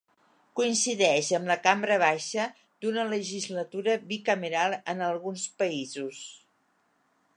Coincideix amb la cambra baixa d'una legislatura bicameral en alguns països.